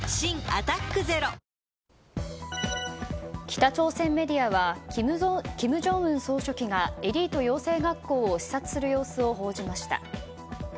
北朝鮮メディアは金正恩総書記がエリート養成学校を視察する様子を報じました。